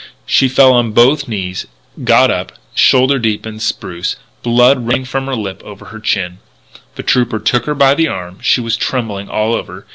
She fell on both knees, got up, shoulder deep in spruce, blood running from her lip over her chin. The trooper took her by the arm. She was trembling all over.